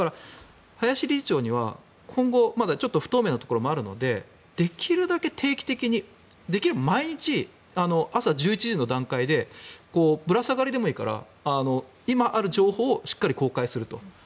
林理事長には今後まだ不透明なところもあるのでできるだけ定期的にできれば毎日、朝１１時の段階でぶら下がりでもいいから今ある情報をしっかり公開すると。